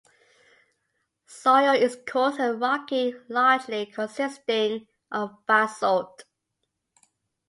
Soil is coarse and rocky largely consisting of basalt.